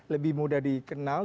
lebih mudah dikenal